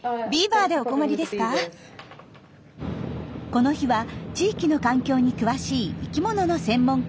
この日は地域の環境に詳しい生きものの専門家